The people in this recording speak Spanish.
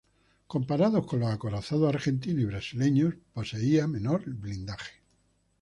Comparados con los acorazados argentinos y brasileños, poseía menor blindaje.